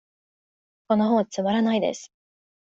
この本はつまらないです。